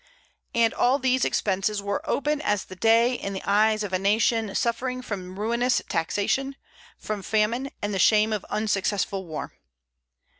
And all these expenses were open as the day in the eyes of a nation suffering from ruinous taxation, from famine, and the shame of unsuccessful war!